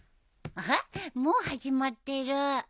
アハッもう始まってる。